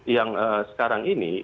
yang sekarang ini